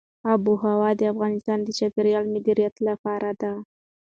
آب وهوا د افغانستان د چاپیریال د مدیریت لپاره ده.